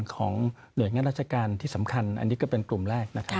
ของหน่วยงานราชการที่สำคัญอันนี้ก็เป็นกลุ่มแรกนะครับ